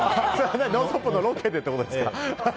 「ノンストップ！」のロケでってことですか。